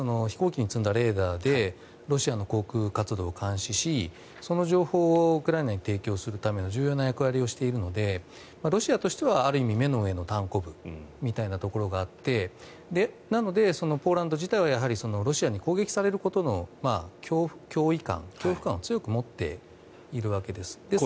飛行機に積んだレーダーでロシアの航空活動を監視しその情報をウクライナに提供するための重要な役割をしているのでロシアとしてはある意味、目の上のたんこぶみたいなところがあってなので、ポーランド自体はロシアに攻撃されることの脅威感、恐怖感を強く持っているわけです。